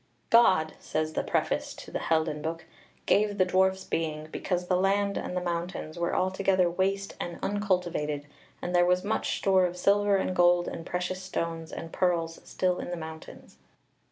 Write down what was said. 'God,' says the preface to the Heldenbuch, 'gave the dwarfs being, because the land and the mountains were altogether waste and uncultivated, and there was much store of silver and gold and precious stones and pearls still in the mountains.'